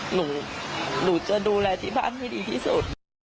หนูจะดูแลที่บ้านให้ดีที่สุด